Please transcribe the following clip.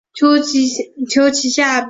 求其下